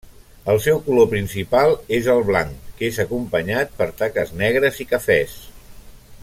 El seu color principal és el blanc, que és acompanyat per taques negres i cafès.